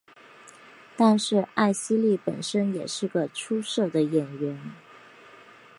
但是艾希莉本身也是个出色的演员。